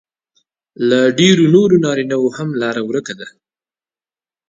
له ډېرو نورو نارینهو هم لار ورکه ده